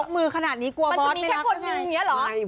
มันจะมีแค่คนนึงอย่างงี้เหรอ